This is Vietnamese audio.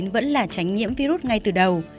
vẫn là tránh nhiễm virus ngay từ đầu